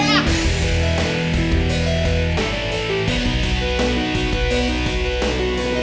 liat gue cabut ya